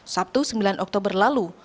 sabtu sembilan oktober lalu